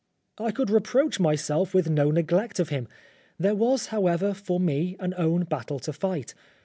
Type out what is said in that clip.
I could reproach myself with no neglect of him. There was, however, for me an own battle to fight.